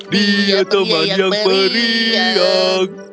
dia teman yang beriak